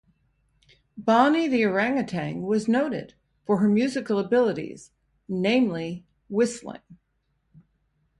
Bonnie the orangutan was noted for her musical abilities, namely whistling.